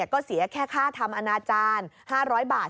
ก็เสียแค่ค่าทำอนาจารย์๕๐๐บาท